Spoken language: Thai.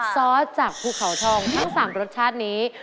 ซอสจากภูเขาทองทั้ง๓รสชาตินี้